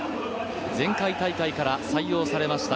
前回大会から採用されました